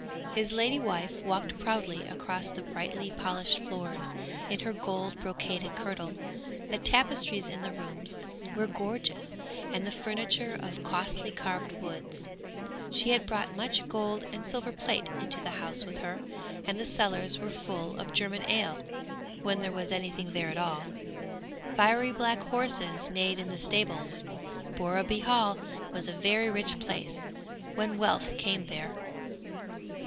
'His lady wife walked proudly across the brightly polished floors, in her gold brocaded kirtle; the tapestries in the rooms were gorgeous, and the furniture of costly carved woods. She had brought much gold and silver plate into the house with her, and the cellars were full of German ale, when there was anything there at all. Fiery black horses neighed in the stables; Borreby Hall was a very rich place when wealth came there.